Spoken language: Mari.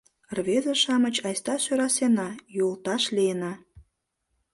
— Рвезе-шамыч, айста сӧрасена, йолташ лийына.